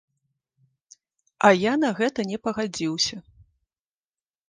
А я на гэта не пагадзіўся.